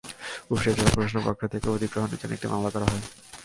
কুষ্টিয়া জেলা প্রশাসনের পক্ষ থেকে অধিগ্রহণের জন্য একটি মামলা করা হয়।